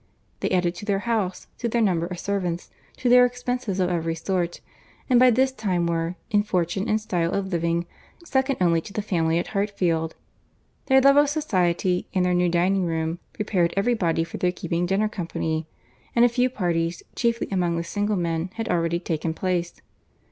They added to their house, to their number of servants, to their expenses of every sort; and by this time were, in fortune and style of living, second only to the family at Hartfield. Their love of society, and their new dining room, prepared every body for their keeping dinner company; and a few parties, chiefly among the single men, had already taken place.